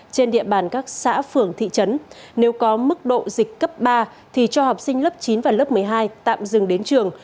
trên địa bàn các xã phường thị trấn nếu có mức độ dịch cấp ba thì cho học sinh lớp chín và lớp một mươi hai tạm dừng đến trường